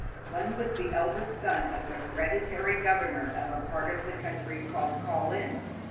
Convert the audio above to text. One was the eldest son of the hereditary governor of a part of the country called Kawlin.